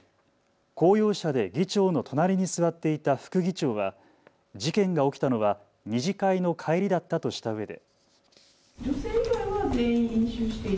公用車で議長の隣に座っていた副議長は事件が起きたのは２次会の帰りだったとしたうえで。